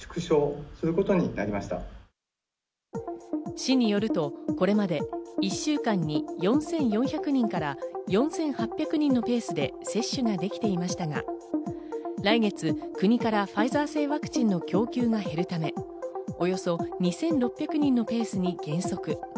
市によるとこれまで１週間に４４００人から４８００人のペースで接種ができていましたが、来月、国からファイザー製ワクチンの供給が減るため、およそ２６００人のペースに減速。